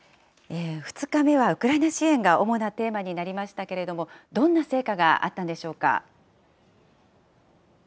２日目はウクライナ支援が主なテーマになりましたけれども、どんな成果があったんでしょうか。